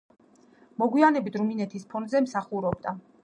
მოგვიანებით რუმინეთის ფრონზე მსახურობდა.